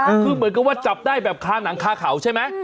คือเหมือนกับว่าจับได้แบบคาหนังคาเขาใช่ไหม